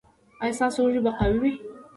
ایا ستاسو اوږې به قوي وي؟